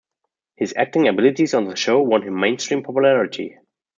His acting abilities on the show won him mainstream popularity.